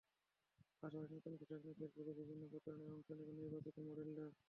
পাশাপাশি নতুন পোশাক নিয়ে ফেসবুক বিভিন্ন প্রচারণায়ও অংশ নেবেন নির্বাচিত মডেলরা।